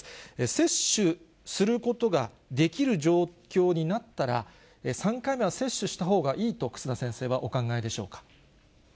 接種することができる状況になったら、３回目は接種したほうがいいと忽那先生はお考えでしょうか。